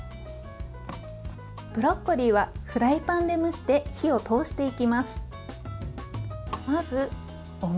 ブロッコリーはフライパンで蒸して火を通していきます。